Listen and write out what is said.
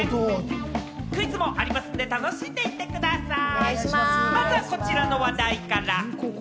クイズもありますんで楽しんでいってください。